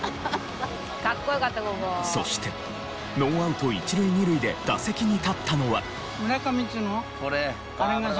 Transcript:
そしてノーアウト一塁二塁で打席に立ったのは。